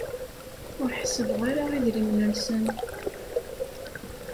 Ur ḥessbeɣ ara idrimen-nsen.